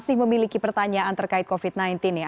masih memiliki pertanyaan terkait covid sembilan belas ya